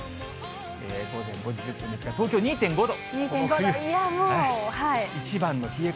午前５時１０分ですが、東京２．２．５度。